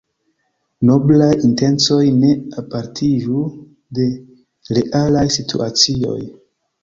Noblaj intencoj ne apartiĝu de realaj situacioj.